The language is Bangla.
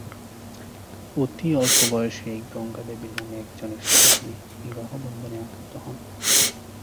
অতি অল্প বয়সেই গঙ্গা দেবী নামে একজনের সাথে তিনি বিবাহ বন্ধনে আবদ্ধ হন।